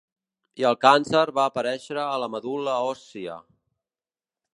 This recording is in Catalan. I el càncer va aparèixer a la medul·la òssia.